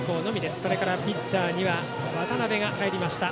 それからピッチャーには渡部が入りました。